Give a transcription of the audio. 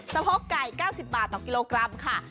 โพกไก่๙๐บาทต่อกิโลกรัมค่ะ